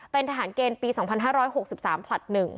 เป็นทหารเกณฑ์ปี๒๕๖๓ผลัด๑